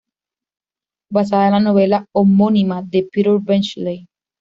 Basada en la novela homónima de Peter Benchley.